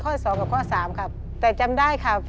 ข้อสองของข้อสามแต่จำได้ครับ